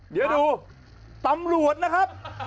เดี๋ยวดูตำรวจนะครับ